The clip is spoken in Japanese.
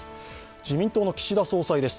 自民党の岸田総裁です。